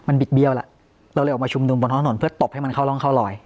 มันบิดเบี้ยวแล้วเราเลยออกมาชุมนุมบนท้องถนนเพื่อตบให้มันเข้าร่องเข้ารอย